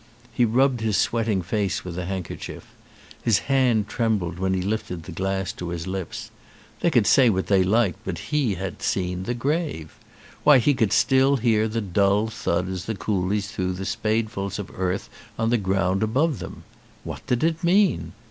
He rubbed his sweating face with a handkerchief. His hand trembled when he lifted the glass to his lips. They could say what they liked, but he had seen the grave. Why, he could hear still the dull thud as the coolies threw the spadefuls of earth on the ground above them. What did it mean?